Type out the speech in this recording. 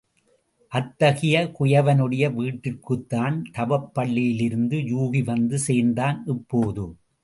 அத்தகைய குயவனுடைய வீட்டிற்குத்தான் தவப் பள்ளியிலிருந்து யூகி வந்து சேர்ந்தான் இப்போது.